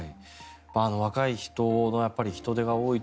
若い人の人出が多いって